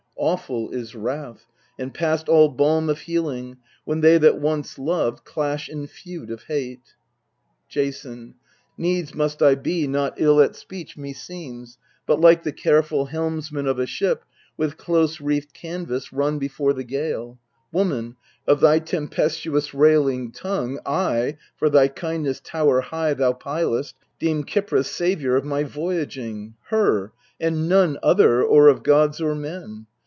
Awful is wrath, and past all balm of healing, When they that once loved clash in feud of hate. Jason. Needs must I be not ill at speech, meseems, But, like the careful helmsman of a ship, With close reefed canvas run before the gale, Woman, of thy tempestuous railing tongue. I for thy kindness tower high thou pilest Deem Kypris saviour of my voyaging, Her, and none other or of gods or men.